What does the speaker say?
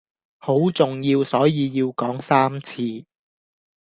好重要所以要講三次